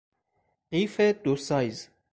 قیف دو سایز